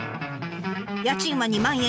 家賃は２万円。